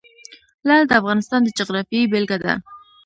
لعل د افغانستان د جغرافیې بېلګه ده.